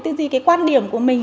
tư duy quan điểm của mình